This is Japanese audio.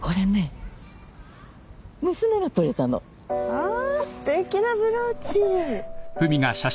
あすてきなブローチ。